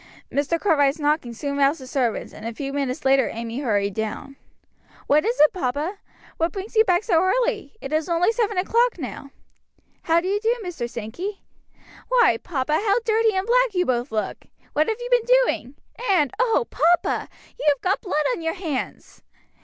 Mr. Cartwright's knocking soon roused the servants, and a few minutes later Amy hurried down. "What is it, papa? What brings you back so early? it is only seven o'clock now. How do you do, Mr. Sankey? Why, papa, how dirty and black you both look! What have you been doing? And, oh, papa! you have got blood on your hands!"